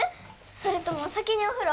それとも先にお風呂？